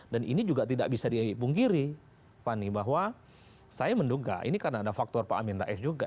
dan ini juga tidak bisa di punggiri fani bahwa saya menduga ini karena ada faktor pak amin ta'es juga